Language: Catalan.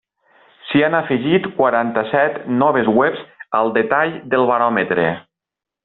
S'hi han afegit quaranta-set noves webs al detall del baròmetre.